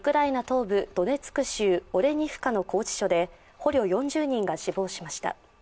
東部ドネツク州オレニフカの拘置所で捕虜４０人が死亡しました。